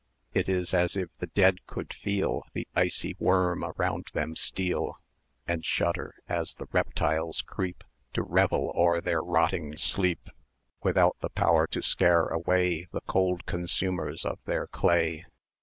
It is as if the dead could feel The icy worm around them steal, And shudder, as the reptiles creep To revel o'er their rotting sleep, Without the power to scare away The cold consumers of their clay!